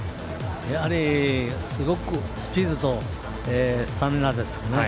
やはり、すごくスピードとスタミナですよね